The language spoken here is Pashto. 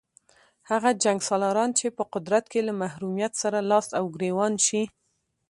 هغه جنګسالاران چې په قدرت کې له محرومیت سره لاس او ګرېوان شي.